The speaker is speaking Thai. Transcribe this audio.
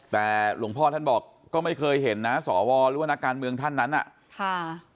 แต่หลวงพ่อท่านบอกก็ไม่เคยเห็นนะสวหรือว่านักการเมืองท่านนั้นอ่ะค่ะ